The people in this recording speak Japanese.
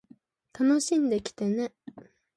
楽しんできてね